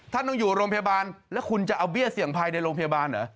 ท่านต้องอยู่โรงพยาบาลแล้วคุณจะเอาเบี้ยเสี่ยงภัยในโรงพยาบาลเหรอ